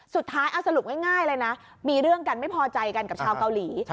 สุดท้ายเอาสรุปง่ายเลยนะมีเรื่องกันไม่พอใจกันกับชาวเกาหลี